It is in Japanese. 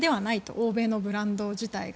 欧米のブランド自体が。